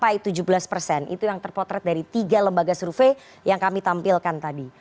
itu yang terpotret dari tiga lembaga survei yang kami tampilkan tadi